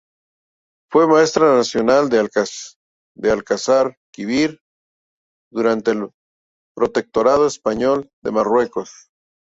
Fue maestra nacional en Alcazarquivir, durante el protectorado español de Marruecos.